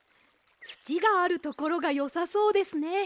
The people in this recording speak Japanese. つちがあるところがよさそうですね。